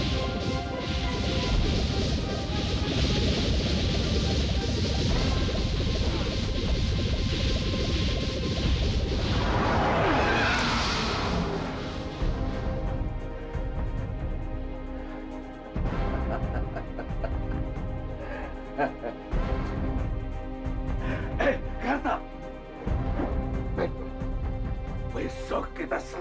dendamnya sudah hilang